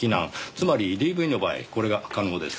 つまりＤＶの場合これが可能です。